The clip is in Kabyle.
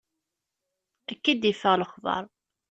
Akka i d-iffeɣ lexbar.